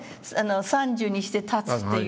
「三十にして立つ」っていう。